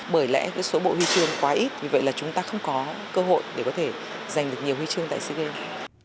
bởi lẽ số bộ huy chương quá ít vì vậy là chúng ta không có cơ hội để có thể giành được nhiều huy chương tại sea games